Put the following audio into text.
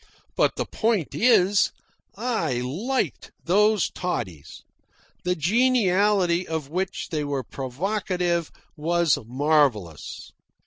But the point is, I LIKED those toddies. The geniality of which they were provocative was marvellous.